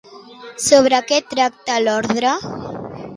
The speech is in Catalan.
Sobre què tracta l'ordre?